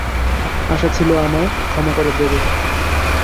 আশা ছিল আমায় ক্ষমা করে দেবে।